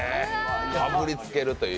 かぶりつけるという。